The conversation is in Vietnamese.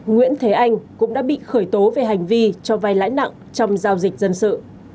nguyễn thế anh cũng đã bị khởi tố về hành vi cho vai lãi nặng trong giao dịch dân sự